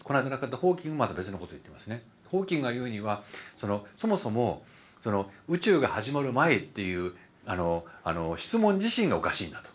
ホーキングが言うにはそもそも宇宙が始まる前っていう質問自身がおかしいんだと。